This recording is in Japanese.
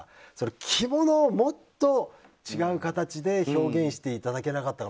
着物をもっと違う形で表現していただけなかったと。